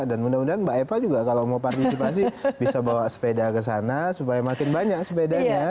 dan mudah mudahan mbak eva juga kalau mau partisipasi bisa bawa sepeda ke sana supaya makin banyak sepedanya